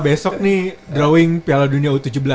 besok nih drawing piala dunia u tujuh belas